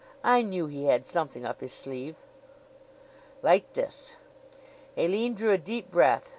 I knew he had something up his sleeve." Like this! Aline drew a deep breath.